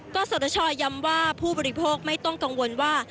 ก็สตชย้ำว่าผู้บริโภคไม่ต้องกังวลว่า